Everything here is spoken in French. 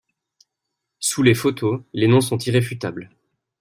Sous les photos, les noms sont irréfutables.